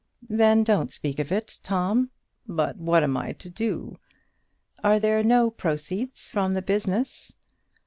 "Then don't speak of it, Tom." "But what am I to do?" "Are there no proceeds from the business?"